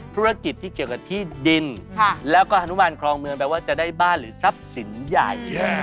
ธุรกิจที่เกี่ยวกับที่ดินแล้วก็ฮานุมานครองเมืองแปลว่าจะได้บ้านหรือทรัพย์สินใหญ่